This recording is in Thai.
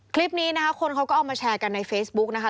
คลิปนี้คนก็เอามาแชร์กันในเฟซบุกนะฮะ